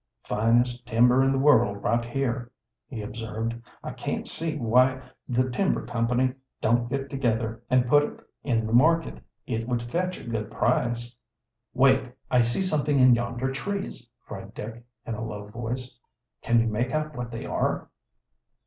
"Finest timber in the world right here," he observed. "I can't see why the timber company don't get together and put it in the market. It would fetch a good price." "Wait! I see something in yonder trees!" cried Dick, in a low voice. "Can you make out what they are?"